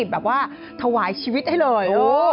แบบว่าถวายชีวิตให้เลย